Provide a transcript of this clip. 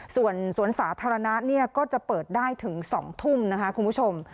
ส่วนสวนสาธารณะก็จะเปิดได้ถึง๒ทุ่มนะคะคุณผู้ชม